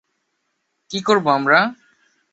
কি করবো আমরা?